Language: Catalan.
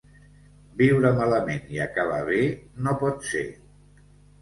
Viure malament i acabar bé no pot ser.